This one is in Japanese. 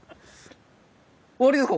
終わりですか？